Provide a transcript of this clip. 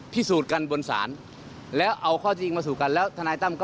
พิสูจน์กันบนศาลแล้วเอาข้อจริงมาสู่กันแล้วทนายตั้มก็